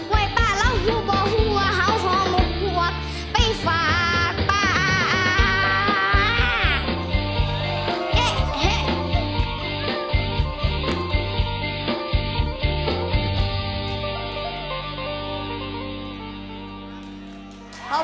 เว้ยป่าแล้วพูดบอกว่าหัวหัวหมอกหัวก็ไปฝากป่า